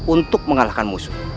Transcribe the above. untuk mengalahkan musuh